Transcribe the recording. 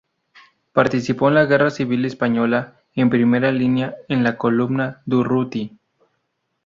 Participó en la Guerra Civil Española en primera línea, en la Columna Durruti.